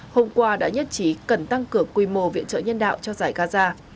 hôm qua đã nhất trí cần tăng cửa quy mô viện trợ nhân đạo cho giải gaza